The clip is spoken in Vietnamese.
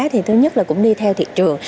thì thứ nhất là cũng đi theo thị trường